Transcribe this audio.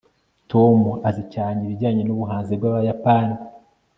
tom azi cyane ibijyanye nubuhanzi bwabayapani